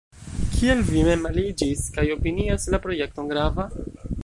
Kial vi mem aliĝis kaj opinias la projekton grava?